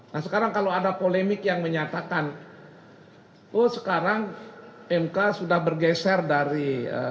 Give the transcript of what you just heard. nah sekarang kalau ada polemik yang menyatakan oh sekarang mk sudah bergeser dari